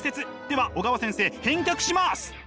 では小川先生返却します！